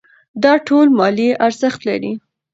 دا ټول مالي ارزښت لري.